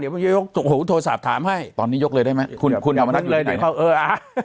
เดี๋ยวผมยกหูโทรศัพท์ถามให้ตอนนี้ยกเลยได้ไหมคุณคุณเอามานั่งอยู่ในไทย